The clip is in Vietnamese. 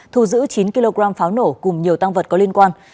thu giữ chín kg pháo nổ cùng nhiều tăng vật có liên quan